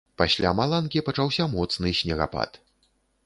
Пасля маланкі пачаўся моцны снегапад.